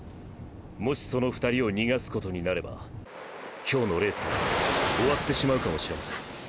もしその２人を逃がすことになれば今日のレースは終わってしまうかもしれません。